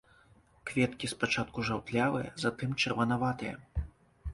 Кветкі спачатку жаўтлявыя, затым чырванаватыя.